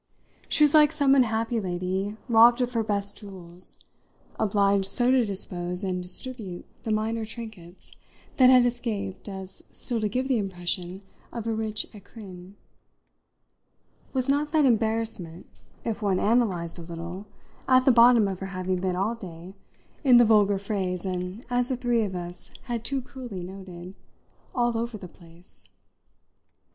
She was like some unhappy lady robbed of her best jewels obliged so to dispose and distribute the minor trinkets that had escaped as still to give the impression of a rich écrin. Was not that embarrassment, if one analysed a little, at the bottom of her having been all day, in the vulgar phrase and as the three of us had too cruelly noted, all over the place?